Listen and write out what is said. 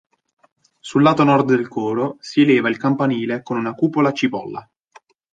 Sul lato nord del coro, si eleva il campanile con una cupola a cipolla.